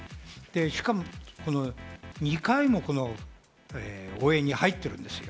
しかも２回も応援に入ってるんですよ。